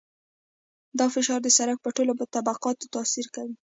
دا فشار د سرک په ټولو طبقاتو تاثیر کوي